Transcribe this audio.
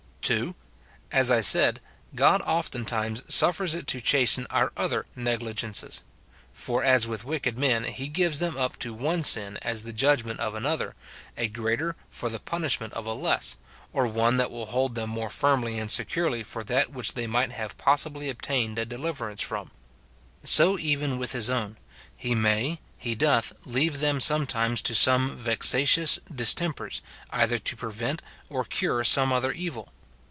[2.] As I said, God oftentimes suffers it to chasten our other negligences : for as with wicked men, he gives them up to one sin as the judgment of another, a greater for the punishment of a less, or one that will hold them more firmly and securely for that which they might have pos sibly obtained a deliverance from ;* so even with his own, lie may, he doth, leave them sometimes to some vexatious distempers, either to prevent or cure some other evil.